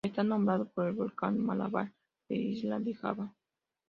Está nombrado por el volcán Malabar de la isla de Java.